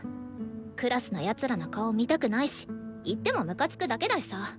クラスの奴らの顔見たくないし行ってもムカつくだけだしさ。